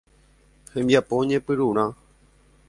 Hembiapo ñepyrũrã.